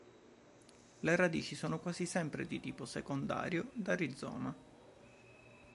Le radici sono quasi sempre di tipo secondario da rizoma.